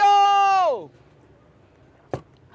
ia neng ineke